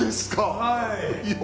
はい。